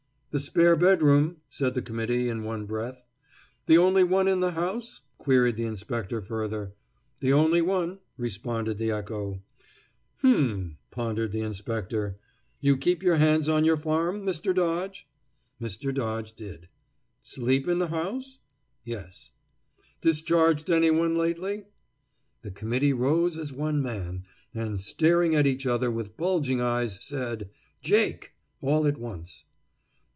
"The spare bedroom," said the committee, in one breath. "The only one in the house?" queried the inspector, further. "The only one," responded the echo. "H'm!" pondered the inspector. "You keep hands on your farm, Mr. Dodge?" Mr. Dodge did. "Sleep in the house?" "Yes." "Discharged any one lately?" The committee rose as one man, and, staring at each other with bulging eyes, said "Jake!" all at once.